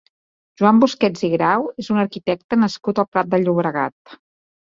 Joan Busquets i Grau és un arquitecte nascut al Prat de Llobregat.